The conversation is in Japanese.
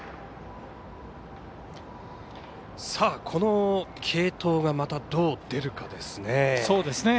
この継投がまたどう出るかですね。